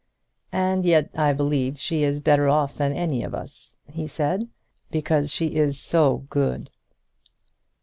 "And yet I believe she is better off than any of us," he said, "because she is so good."